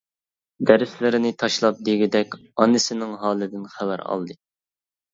دەرسلىرىنى تاشلاپ دېگۈدەك ئانىسىنىڭ ھالىدىن خەۋەر ئالدى.